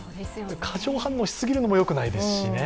過剰反応しすぎるのもよくないですしね。